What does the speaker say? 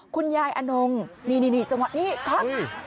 คุณยายอนงนี่จังหวะนี้ครับ